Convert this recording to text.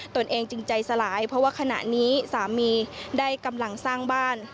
ตัวเองจึงใจสลายเพราะว่าขณะนี้สามีได้กำลังสร้างบ้าน